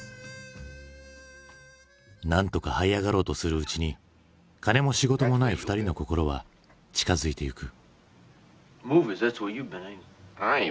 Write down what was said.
なんとかはい上がろうとするうちに金も仕事もない２人の心は近づいてゆく。